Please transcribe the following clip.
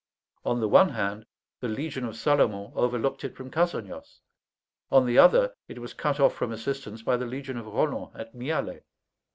On the one hand, the legion of Salomon overlooked it from Cassagnas; on the other, it was cut off from assistance by the legion of Roland at Mialet.